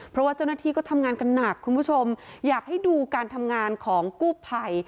เพราะว่าเจ้าหน้าที่ก็ทำงานกันหนักคุณผู้ชมอยากให้ดูการทำงานของกู้ภัย